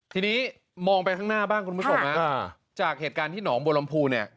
ทีนี้มองไปข้างหน้าบ้างคุณผู้ชมจากเหตุการณ์ที่หนองบัวลำพูเนี่ย